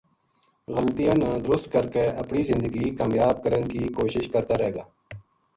غلطیاں نا درست کر کے اپنی زندگی کامیاب کرن کی کوشش کرتا رہ گا